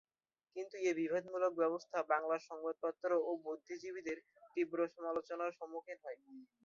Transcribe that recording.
কিন্তু এ বিভেদমূলক ব্যবস্থা বাংলার সংবাদপত্র ও বুদ্ধিজীবীদের তীব্র সমালোচনার সম্মুখীন হয়।